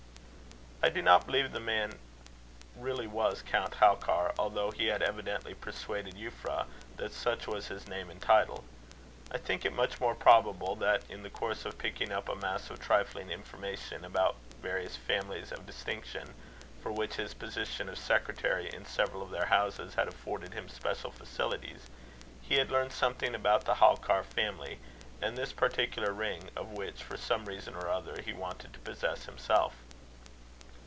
I do not believe that the man really was Count Halkar, although he had evidently persuaded Euphra that such was his name and title. I think it much more probable that, in the course of picking up a mass of trifling information about various families of distinction, for which his position of secretary in several of their houses had afforded him special facilities, he had learned something about the Halkar family, and this particular ring, of which, for some reason or other, he wanted to possess himself.